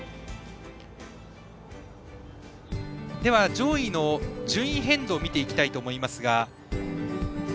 では、上位の順位変動を見ていきたいと思います。